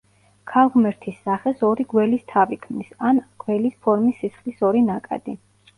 ქალღმერთის სახეს ორი გველის თავი ქმნის, ან გველის ფორმის სისხლის ორი ნაკადი.